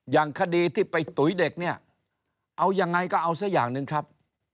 อย่างคดีที่ไปตุ๋ยเด็กเนี่ยเอายังไงก็เอาซะอย่างหนึ่งครับ